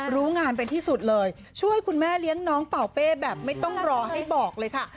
รู้งานเป็นที่สุดเลยช่วยคุณแม่เลี้ยงน้องเป่าเป้แบบไม่ต้องรอให้บอกเลยค่ะ